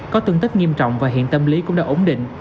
có tương tích nghiêm trọng và hiện tâm lý cũng đã ổn định